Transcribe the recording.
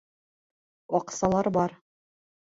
— Аҡсалар бар.